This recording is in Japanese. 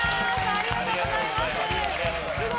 ありがとうございます。